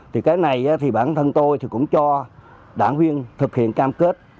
thì cái này thì bản thân tôi thì cũng cho đảng viên thực hiện cam kết